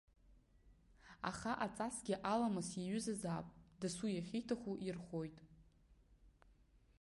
Аха аҵасгьы, аламыс иаҩызазаап, дасу иахьиҭаху ирхоит.